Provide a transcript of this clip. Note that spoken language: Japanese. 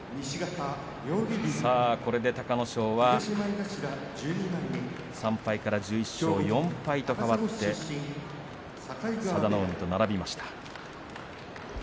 さあこれで隆の勝は３敗から１１勝４敗と変わって佐田の海と並びました。